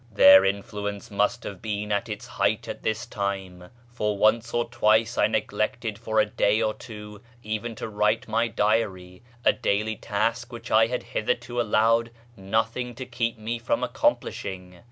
Their influence must have been at its height at this time, for once or twice I neglected for a day or two even to write my diary — a daily task which I had hitherto allowed nothing to keep me from accomplishing.